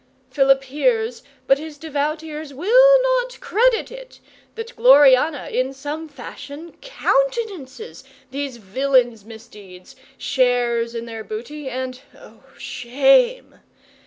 Philip hears, but his devout ears will not credit it, that Gloriana in some fashion countenances these villains' misdeeds, shares in their booty, and oh, shame!